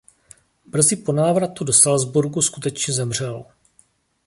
Brzy po návratu do Salcburku skutečně zemřel.